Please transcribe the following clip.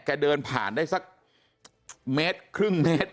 เดินผ่านได้สักเมตรครึ่งเมตร